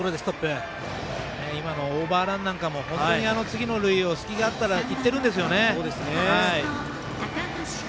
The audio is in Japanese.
オーバーランなんかも次の塁を隙があったら行ってるんですよね。